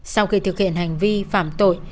sau khi thực hiện hành vi phạm tội